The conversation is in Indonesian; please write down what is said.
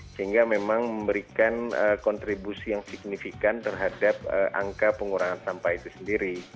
sehingga memang memberikan kontribusi yang signifikan terhadap angka pengurangan sampah itu sendiri